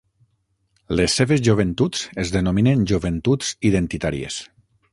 Les seves joventuts es denominen Joventuts Identitàries.